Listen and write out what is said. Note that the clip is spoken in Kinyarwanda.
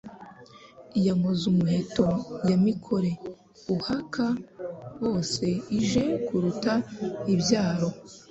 Ya Nkozumuheto ya Mikore uhaka-bose ije kuruta ibyaro.